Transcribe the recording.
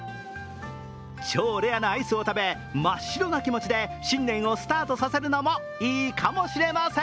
超レアなアイスを食べ、真っ白な気持ちで新年をスタートさせるのもいいかもしれません。